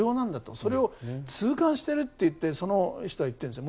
それを痛感しているってその人は言ってるんですよ。